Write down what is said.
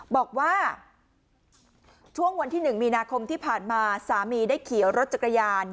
บอกว่าช่วงวันที่๑มีนาคมที่ผ่านมาสามีได้ขี่รถจักรยาน